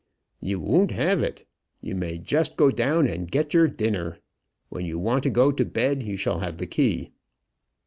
"You won't have it. You may just go down and get your dinner. When you want to go to bed, you shall have the key."